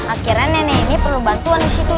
akhirnya nenek ini perlu bantuan disitu